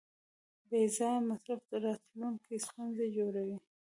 بېځایه مصرف د راتلونکي ستونزې جوړوي.